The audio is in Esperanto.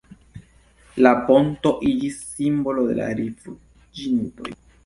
La ponto iĝis simbolo de la rifuĝintoj.